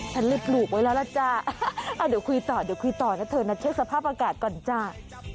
ฉันเลยปลูกไว้แล้วล่ะจ๊ะเดี๋ยวคุยต่อเดี๋ยวคุยต่อนะเธอนะเช็คสภาพอากาศก่อนจ้า